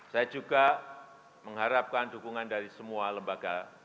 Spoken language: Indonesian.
saya juga mengharapkan dukungan dari semua lembaga